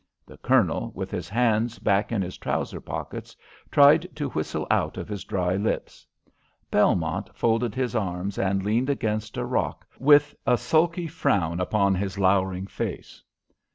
The Colonel, with his hands back in his trouser pockets, tried to whistle out of his dry lips. Belmont folded his arms and leaned against a rock, with a sulky frown upon his lowering face.